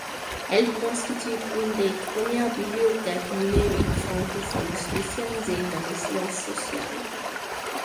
Elle constitue une des premières bibliothèques numériques francophones spécialisée dans les sciences sociales.